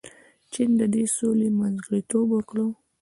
چین د دې سولې منځګړیتوب وکړ.